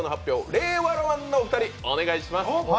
令和ロマンのお二人お願いします。